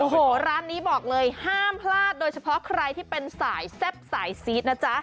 โอ้โหร้านนี้บอกเลยห้ามพลาดโดยเฉพาะใครที่เป็นสายแซ่บสายซีดนะจ๊ะ